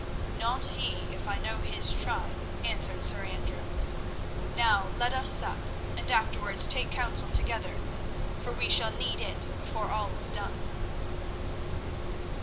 "Not he, if I know his tribe," answered Sir Andrew. "Now let us sup and afterwards take counsel together, for we shall need it before all is done."